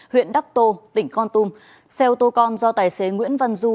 huyện đắc tô tỉnh con tum xe ô tô con do tài xế nguyễn văn du